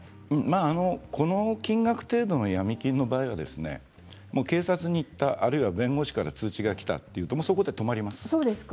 この金額程度のヤミ金の場合には警察に行ったあるいは弁護士から通知が来たというとそこで止まります。